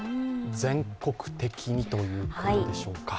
全国的にということでしょうか。